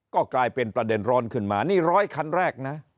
ก็กลายเป็นประเด็นร้อนขึ้นมานี่ร้อยคันแรกนะ